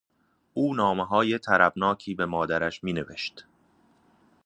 او نامههای طربناکی به مادرش مینوشت.